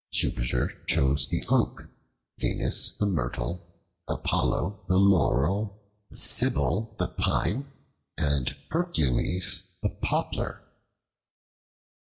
Jupiter chose the oak, Venus the myrtle, Apollo the laurel, Cybele the pine, and Hercules the poplar.